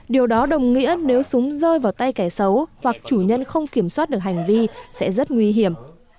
điều đó đồng nghĩa nếu súng rơi vào tay kẻ xấu hoặc chủ nhân không kiểm soát được hành vi sẽ rất nguy hiểm